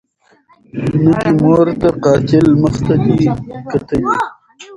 نه دي مور د قاتل مخ ته دي کتلي